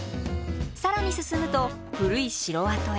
更に進むと古い城跡へ。